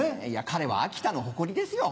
彼は秋田の誇りですよ。